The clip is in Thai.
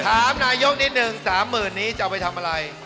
ถามนายกนิดนึง๓๐๐๐นี้จะเอาไปทำอะไร